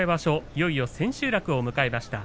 いよいよ千秋楽を迎えました。